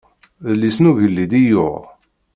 D yelli-s n ugellid i yuɣ.